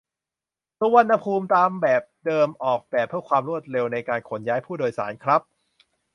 สุวรรณภูมิ ตามแบบเดิมออกแบบเพื่อความรวดเร็วในการขนย้ายผู้โดยสารครับ